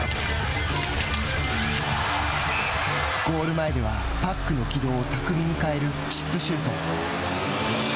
ゴール前ではパックの軌道を巧みに変えるチップシュート。